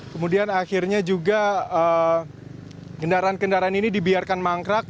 kemudian akhirnya juga kendaraan kendaraan ini dibiarkan mangkrak